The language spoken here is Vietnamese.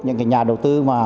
những cái nhà đầu tư